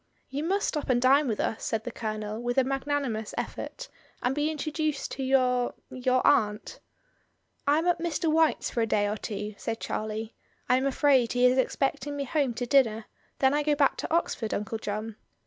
"You must stop and dine with us," said the Colonel, with a magnanimous effort, "and be intro duced to your — your aunt." "I am at Mr. White's for a day or two," said Charlie; "I am afraid he is expecting me home to dinner, then I go back to Oxford, Uncle John.